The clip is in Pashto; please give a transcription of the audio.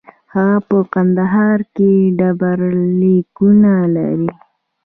هغه په کندهار کې ډبرلیکونه لرل